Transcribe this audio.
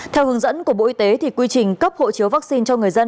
theo hướng dẫn của bộ y tế quy trình cấp hộ chiếu vaccine cho người dân